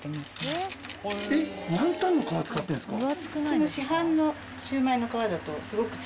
えっワンタンの皮使ってるんですか？